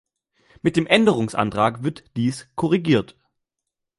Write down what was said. Mit dem Änderungsantrag wird dies korrigiert.